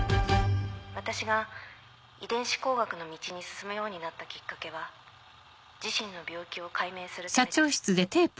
私が遺伝子工学の道に進むようになったきっかけは自身の病気を解明するためです。